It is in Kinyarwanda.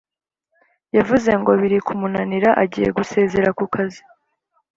Yavuze ngo biri kumunanira agiye gusezera kukazi